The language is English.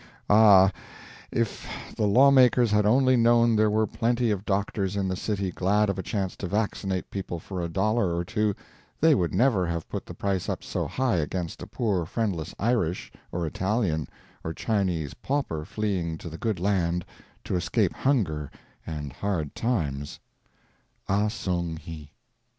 Ah, if the law makers had only known there were plenty of doctors in the city glad of a chance to vaccinate people for a dollar or two, they would never have put the price up so high against a poor friendless Irish, or Italian, or Chinese pauper fleeing to the good land to escape hunger and hard times. AH SONG HI.